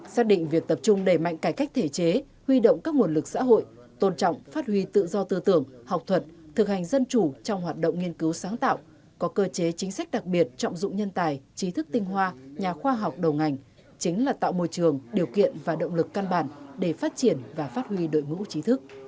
xác định việc tập trung đẩy mạnh cải cách thể chế huy động các nguồn lực xã hội tôn trọng phát huy tự do tư tưởng học thuật thực hành dân chủ trong hoạt động nghiên cứu sáng tạo có cơ chế chính sách đặc biệt trọng dụng nhân tài trí thức tinh hoa nhà khoa học đầu ngành chính là tạo môi trường điều kiện và động lực căn bản để phát triển và phát huy đội ngũ trí thức